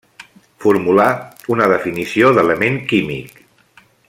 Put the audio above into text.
Formulà una definició d'element químic.